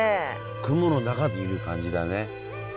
雲の中にいる感じだね。